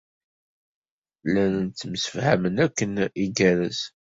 Llan ttemsefhamen akken igerrez.